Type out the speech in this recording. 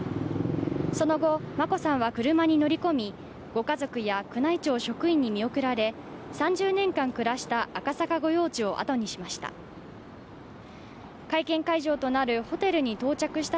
その後、眞子さんは車に乗り込みご家族や宮内庁職員に見送られ３０年間暮らした赤坂御用地を後にしました。